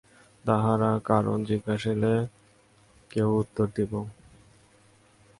তাঁহারা কারণ জিজ্ঞাসিলে কি উত্তর দিব।